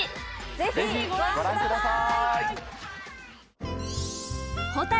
ぜひご覧ください！